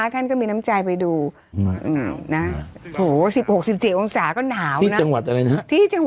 แล้วท่านก็มีน้ำใจไปดู๑๖๑๗องศาก็หนาวนะ